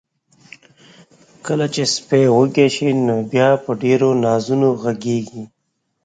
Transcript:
کله چې سپی وږي شي، نو بیا په ډیرو نازونو غږیږي.